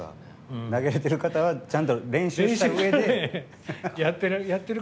投げれてる方はちゃんと練習したうえで。